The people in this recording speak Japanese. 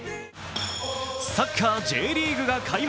サッカーＪリーグが開幕。